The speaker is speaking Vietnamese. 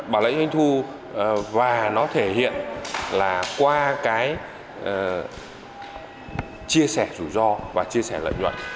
bảo lãnh doanh thu và nó thể hiện là qua cái chia sẻ rủi ro và chia sẻ lợi nhuận